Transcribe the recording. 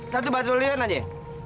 satu batu liun aja